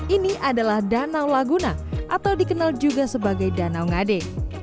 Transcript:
ini adalah danau laguna atau dikenal juga sebagai danau ngade